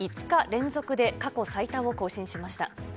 ５日連続で過去最多を更新しました。